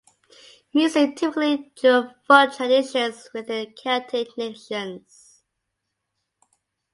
Music typically drew on folk traditions within the Celtic nations.